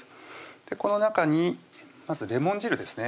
この中にまずレモン汁ですね